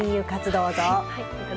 どうぞ。